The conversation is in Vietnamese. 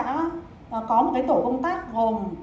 có một cái tổ công tác gồm